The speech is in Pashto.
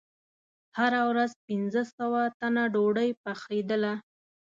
هره ورځ پنځه سوه تنه ډوډۍ پخېدله.